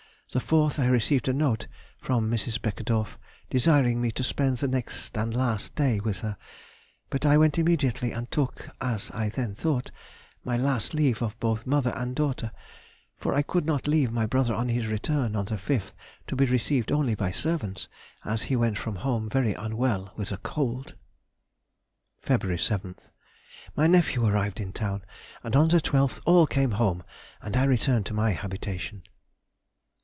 The 4th I received a note from Mrs. Beckedorff, desiring me to spend the next and last day with her, but I went immediately and took (as I then thought) my last leave of both mother and daughter, for I could not leave my brother on his return on the 5th to be received only by the servants, as he went from home very unwell with a cold. Feb. 7th.—My nephew arrived in town, and on the 12th all came home and I returned to my habitation.